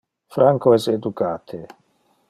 Franco es educate.